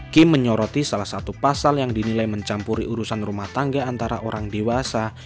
kim menyoroti salah satu pasal yang dinilai mencampuri urusan rumah tangga antara orang dewasa